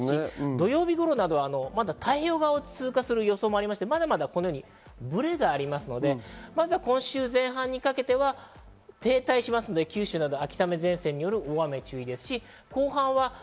土曜日頃は太平洋側を通過する予報もありましてまだブレがありますので、今週前半にかけては停滞しますので、九州は秋雨前線による大雨に注意です。